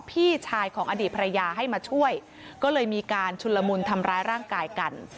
พี่ชายของอดีตภรรยาให้มาช่วยก็เลยมีการชุนละมุนทำร้ายร่างกายกัน